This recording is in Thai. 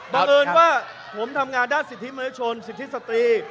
บังเอิญว่าผมทำงานด้านสิทธิมนุชนสิทธิสตรี